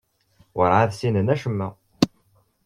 Werɛad ssinen acemma.